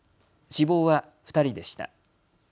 死亡は２人でした。